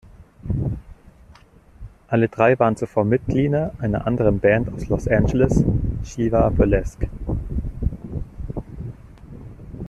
Alle drei waren zuvor Mitglieder einer anderen Band aus Los Angeles, Shiva Burlesque.